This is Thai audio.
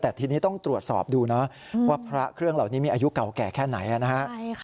แต่ทีนี้ต้องตรวจสอบดูนะว่าพระเครื่องเหล่านี้มีอายุเก่าแก่แค่ไหนนะฮะ